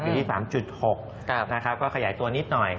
อยู่ที่๓๖ก็ขยายตัวนิดหน่อย